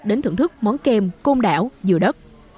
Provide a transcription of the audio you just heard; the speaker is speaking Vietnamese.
đến thưởng thức món kem côn đảo dừa đất